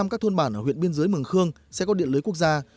một trăm linh các thôn bản ở huyện biên giới mường khương sẽ có điện lưới quốc gia